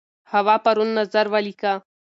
هوا پرون نظر ولیکه.